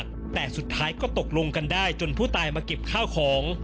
โทรศัพท์อย่างหนักแต่สุดท้ายก็ตกลงกันได้จนผู้ตายมาเก็บข้าวของ